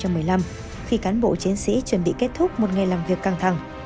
tám năm hai nghìn một mươi năm khi cán bộ chiến sĩ chuẩn bị kết thúc một ngày làm việc căng thẳng